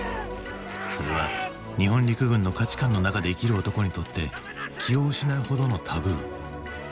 それは日本陸軍の価値観の中で生きる男にとって気を失うほどのタブー。